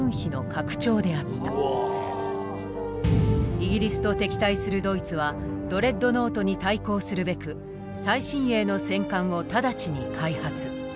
イギリスと敵対するドイツはドレッドノートに対抗するべく最新鋭の戦艦を直ちに開発。